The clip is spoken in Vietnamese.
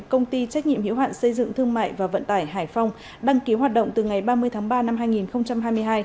công ty trách nhiệm hiệu hạn xây dựng thương mại và vận tải hải phòng đăng ký hoạt động từ ngày ba mươi tháng ba năm hai nghìn hai mươi hai